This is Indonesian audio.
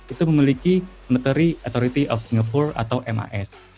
itu memiliki matary authority of singapore atau mis